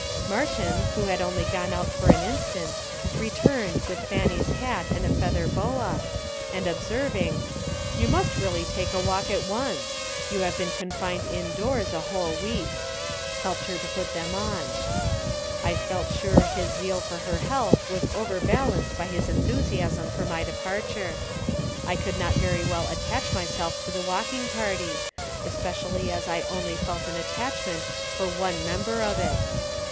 Martin, who had only gone out for an instant, returned with Fanny's hat and a feather boa, and observing, "You must really take a walk at once you have been confined indoors a whole week," helped her to put them on. I felt sure his zeal for her health was overbalanced by his enthusiasm for my departure. I could not very well attach myself to the walking party especially as I only felt an attachment for one member of it.